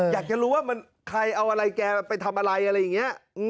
อยากจะรู้ว่ามันใครเอาอะไรแกไปทำอะไรอะไรอย่างนี้